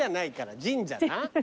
神社な。